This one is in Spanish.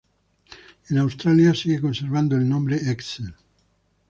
En Australia siguió conservando el nombre Excel.